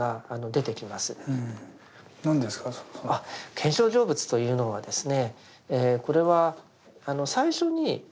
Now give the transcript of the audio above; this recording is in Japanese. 見性成仏というのはですね